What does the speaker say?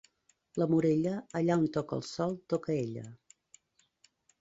La Morella, allà on toca el sol toca ella.